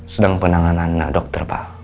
sedang penanganan dokter pak